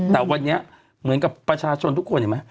แต่วันนี้เหมือนกับประชาชนทุกคนเห็นไหม